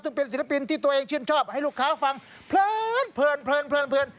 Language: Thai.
ซึ่งเป็นศิลปินที่ตัวเองชื่นชอบให้ลูกค้าฟังเพลิน